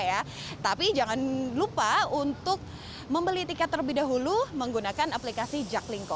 ya tapi jangan lupa untuk membeli tiket terlebih dahulu menggunakan aplikasi jaklingko